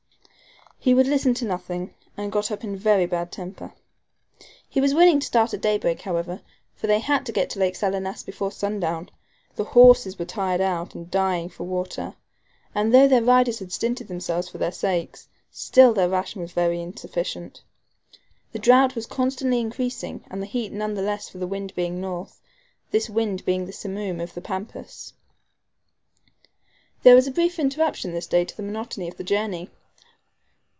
He would listen to nothing, and got up in a very bad temper. He was quite willing to start at daybreak, however, for they had to get to Lake Salinas before sundown. The horses were tired out and dying for water, and though their riders had stinted themselves for their sakes, still their ration was very insufficient. The drought was constantly increasing, and the heat none the less for the wind being north, this wind being the simoom of the Pampas. There was a brief interruption this day to the monotony of the journey.